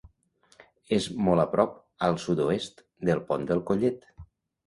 És molt a prop, al sud-oest, del Pont del Collet.